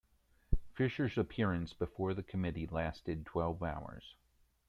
Fischer's appearance before the committee lasted twelve hours.